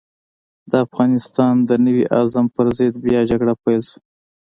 د افغانستان د نوي عزم پر ضد بيا جګړه پيل شوه.